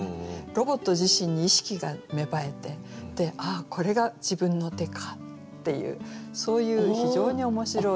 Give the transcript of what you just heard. ロボット自身に意識が芽生えて「ああこれが自分の手か」っていうそういう非常に面白い。